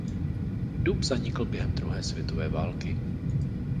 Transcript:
Dub zanikl během druhé světové války.